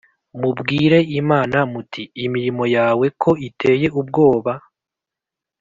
Mubwire imana muti imirimo yawe ko iteye ubwoba